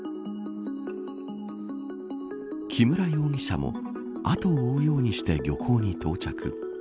木村容疑者も後を追うようにして漁港に到着。